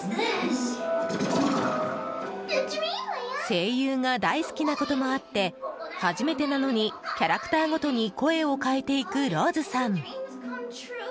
声優が大好きなこともあって初めてなのにキャラクターごとに声を変えていくローズさん。